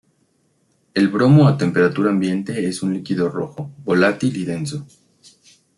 El bromo a temperatura ambiente es un líquido rojo, volátil y denso.